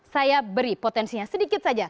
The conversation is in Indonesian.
saya beri potensinya sedikit saja